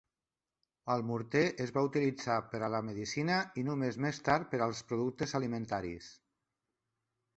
El morter es va utilitzar per a la medicina i només més tard per als productes alimentaris.